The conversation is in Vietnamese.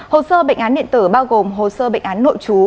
hồ sơ bệnh án điện tử bao gồm hồ sơ bệnh án nội trú